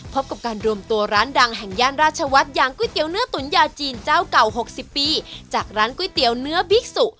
พบกับการรวมตัวร้านดังแห่งย่านราชวัฒน์อย่างก๋วยเตี๋ยเนื้อตุ๋นยาจีนเจ้าเก่า๖๐ปีจากร้านก๋วยเตี๋ยวเนื้อบิ๊กสุ